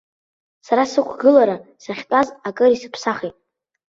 Сара сықәгылара, сахьтәаз акыр исыԥсахит.